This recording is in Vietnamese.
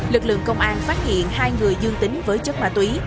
lực lượng công an phát hiện hai người dương tính với chất ma túy